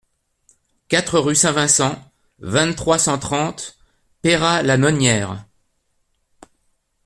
quatre rue de Saint-Vincent, vingt-trois, cent trente, Peyrat-la-Nonière